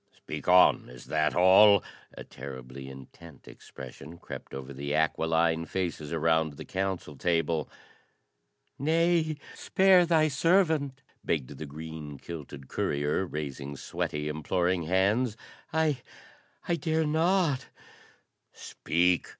"Speak on: is that all?" A terribly intent expression crept over the aquiline faces around the council table. "Nay, spare thy servant!" begged the green kilted courier, raising sweaty, imploring hands. "I I dare not " "Speak!"